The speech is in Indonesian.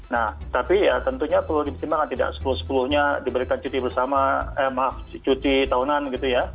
nah tapi ya tentunya perlu dipertimbangkan tidak sepuluh sepuluh nya diberikan cuti tahunan gitu ya